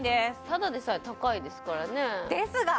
ただでさえ高いですからねですが！